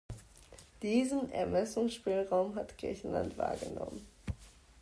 Diesen Ermessensspielraum hat Griechenland wahrgenommen.